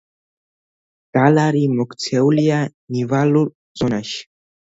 დალარი მოქცეულია ნივალურ ზონაში.